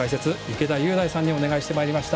池田雄大さんにお願いしてまいりました。